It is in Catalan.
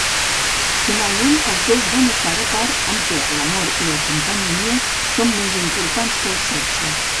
Finalment, els dos van estar d'acord amb què l'amor i el companyonia són més importants que el sexe.